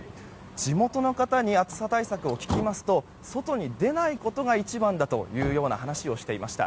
地元の方に暑さ対策を聞きますと外に出ないことが一番だという話をしていました。